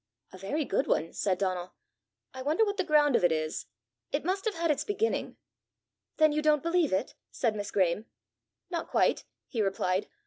"A very good one!" said Donal. "I wonder what the ground of it is! It must have had its beginning!" "Then you don't believe it?" said Miss Graeme. "Not quite," he replied.